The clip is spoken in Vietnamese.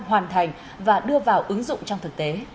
hoàn thành và đưa vào ứng dụng trong thực tế